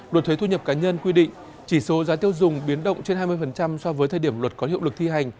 luật thuế thu nhập cá nhân quy định chỉ số giá tiêu dùng biến động trên hai mươi so với thời điểm luật có hiệu lực thi hành